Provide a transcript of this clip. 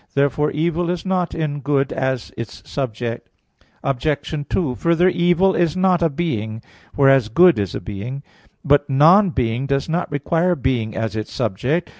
Therefore, evil is not in good as its subject. Obj. 2: Further, evil is not a being; whereas good is a being. But "non being" does not require being as its subject.